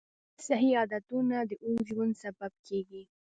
صحي عادتونه د اوږد ژوند سبب کېږي.